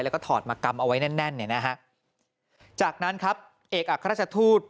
แล้วก็ถอดมากำเอาไว้แน่นแน่นเนี่ยนะฮะจากนั้นครับเอกอัครราชทูต